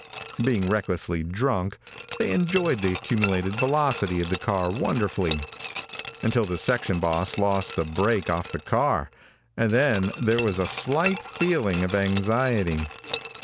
Being recklessly drunk, they enjoyed the accumulated velocity of the car wonderfully, until the section boss lost the break off the car, and then there was a slight feeling of anxiety.